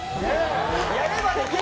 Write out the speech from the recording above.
やればできる。